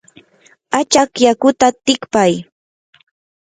achaq yakuta tikpay.